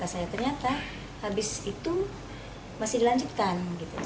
saya ternyata habis itu masih dilanjutkan